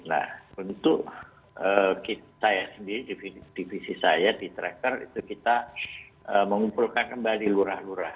nah untuk saya sendiri divisi saya di tracker itu kita mengumpulkan kembali lurah lurah